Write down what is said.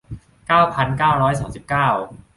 เก้าพันเก้าร้อยสามสิบเก้า